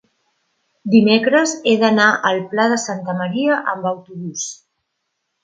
dimecres he d'anar al Pla de Santa Maria amb autobús.